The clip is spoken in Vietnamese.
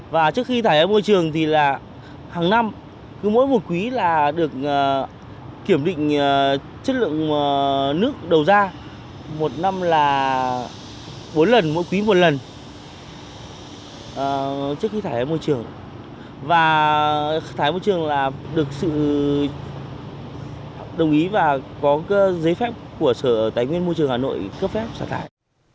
và thải môi trường là được sự đồng ý và có giấy phép của sở tài nguyên môi trường hà nội cấp phép sản thải